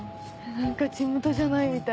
何か地元じゃないみたい。